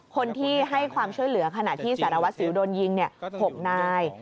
คนที่ให้ความช่วยเหลือขณะที่สารวัสสิวโดนยิง๖นาย